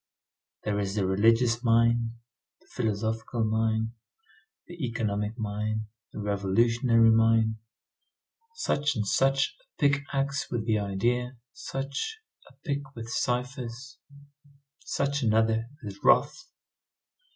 There is the religious mine, the philosophical mine, the economic mine, the revolutionary mine. Such and such a pick axe with the idea, such a pick with ciphers. Such another with wrath.